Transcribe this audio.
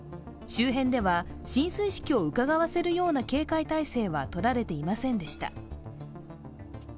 周辺では進水式をうかがわせるような警戒態勢はとられていませんでした。